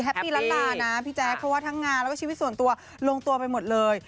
ปี้ล้านลานะพี่แจ๊คเพราะว่าทั้งงานแล้วก็ชีวิตส่วนตัวลงตัวไปหมดเลย